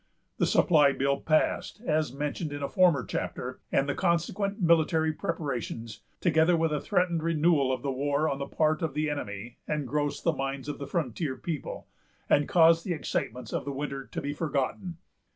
The supply bill passed, as mentioned in a former chapter; and the consequent military preparations, together with a threatened renewal of the war on the part of the enemy, engrossed the minds of the frontier people, and caused the excitements of the winter to be forgotten.